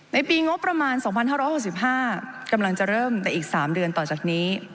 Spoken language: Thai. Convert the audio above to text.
ในปีงบประมาณสองพันห้าร้อยหกสิบห้ากำลังจะเริ่มในอีกสามเดือนต่อจากนี้